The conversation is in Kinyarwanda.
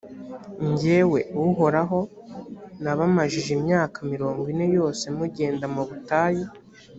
jyewe uhoraho nabamajije imyaka mirongo ine yose mugenda mu butayu: